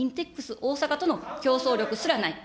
大阪との競争力すらない。